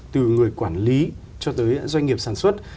từ người quản lý cho tới doanh nghiệp sản xuất